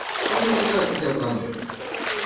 Μη μου ζητάς τέτοια πράματα.